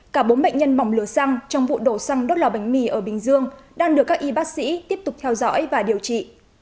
cả bốn bệnh nhân bỏng lửa xăng trong vụ đổ xăng đốt lò bánh mì ở bình dương đang được các y bác sĩ tiếp tục theo dõi và điều trị